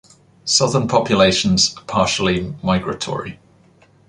Southern populations are partially migratory.